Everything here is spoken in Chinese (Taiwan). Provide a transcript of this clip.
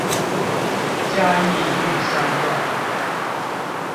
嘉義玉山段